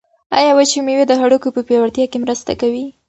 آیا وچې مېوې د هډوکو په پیاوړتیا کې مرسته کوي؟